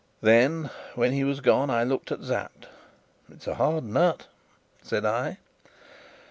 Then, when he was gone, I looked at Sapt. "It's a hard nut!" said I.